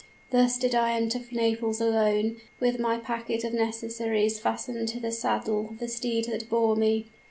Thus did I enter Naples alone, with my package of necessaries fastened to the saddle of the steed that bore me.